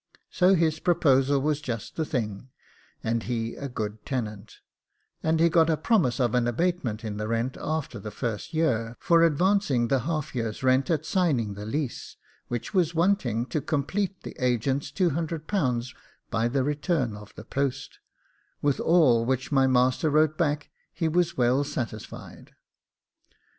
So his proposal was just the thing, and he a good tenant; and he got a promise of an abatement in the rent after the first year, for advancing the half year's rent at signing the lease, which was wanting to complete the agent's £200 by the return of the post, with all which my master wrote back he was well satisfied.